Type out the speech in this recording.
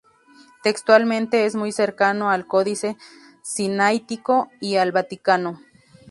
Textualmente es muy cercano al Códice Sinaítico y al Vaticano.